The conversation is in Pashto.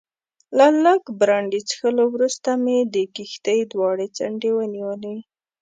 له لږ برانډي څښلو وروسته مې د کښتۍ دواړې څنډې ونیولې.